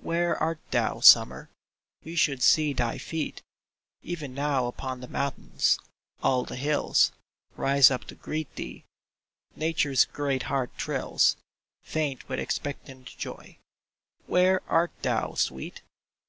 Where art thou, Summer ? We should see thy feet Even now upon the mountains. All the hills Rise up to greet thee. Nature's great heart thrills, Faint with expectant joy. Where art thou, sweet